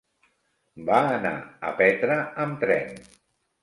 Va anar a Petra amb tren.